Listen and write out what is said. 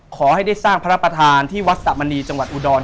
ขอให้ได้สร้างพระประธานที่วัดสะมณีจังหวัดอุดร